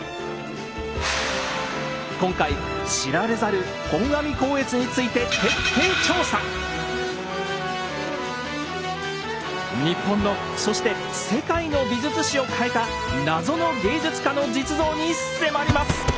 今回知られざる本阿弥光悦について日本のそして世界の美術史を変えた謎の芸術家の実像に迫ります。